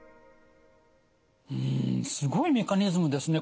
うんすごいメカニズムですね。